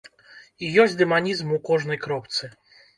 І ёсць дэманізм у кожнай кропцы.